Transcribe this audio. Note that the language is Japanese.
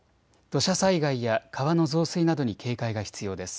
土砂災害や川の増水などに警戒が必要です。